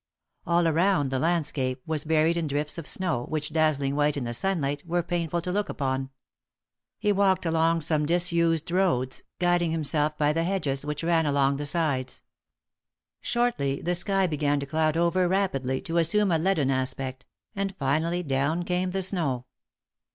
All around the landscape was buried in drifts of snow, which, dazzling white in the sunlight, were painful to look upon. He walked along some disused roads, guiding himself by the hedges which ran along the sides. Shortly the sky began to cloud over rapidly, to assume a leaden aspect; and finally down came the snow.